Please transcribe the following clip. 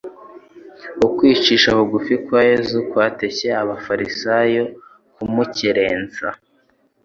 Ukwicisha bugufi kwa Yesu kwatcye abafarisayo kumukerensa.